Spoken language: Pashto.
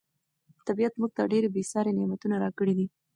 طبیعت موږ ته ډېر بې ساري نعمتونه راکړي دي.